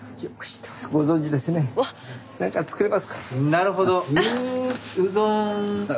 なるほど。